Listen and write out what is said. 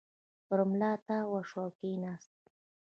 پر ملا تاو شو، کېناست.